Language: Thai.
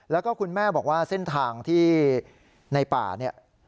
แล้วก็คุณแม่บอกว่าเส้นทางที่ในป่าเนี่ย